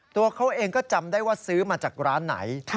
ตัวเขาเองก็จำได้ว่าซื้อมาจากร้านไหน